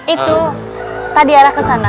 itu pak dia arah ke sana